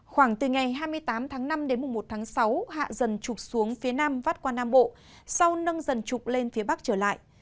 khoảng từ ngày hai mươi tám tháng năm đến một tháng sáu hạ dần trục xuống phía nam vắt qua nam bộ sau nâng dần trục lên phía bắc trở lại